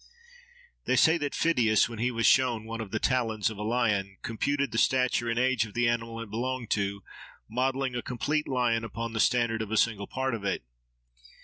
They say that Pheidias, when he was shown one of the talons of a lion, computed the stature and age of the animal it belonged to, modelling a complete lion upon the standard of a single part of it.